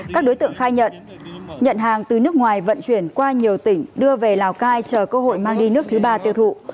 các đối tượng khai nhận nhận hàng từ nước ngoài vận chuyển qua nhiều tỉnh đưa về lào cai chờ cơ hội mang đi nước thứ ba tiêu thụ